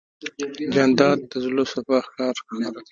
جانداد د زړه صفا ښکاره ښکاري.